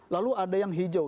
lalu ada yang hijau